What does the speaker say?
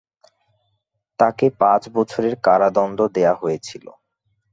তাকে পাঁচ বছরের কারাদণ্ড দেওয়া হয়েছিল।